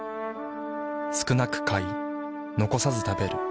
少なく買い残さず食べる。